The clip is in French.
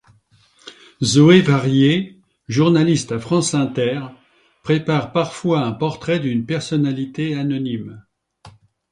Zoé Varier, journaliste à France Inter, prépare parfois un portrait d'une personnalité anonyme.